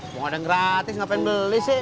mau ada yang gratis ngapain beli sih